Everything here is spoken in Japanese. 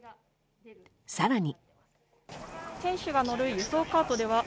更に。